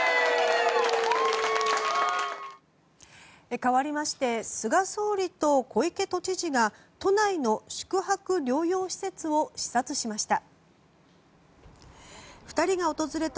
かわりまして菅総理と小池都知事が都内の宿泊療養施設を視察しました。